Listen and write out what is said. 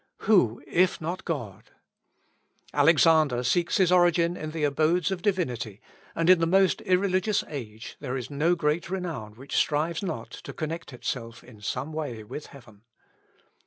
Who, if not God?... Alexander seeks his origin in the abodes of Divinity; and in the most irreligious age there is no great renown which strives not to connect itself in some way with heaven.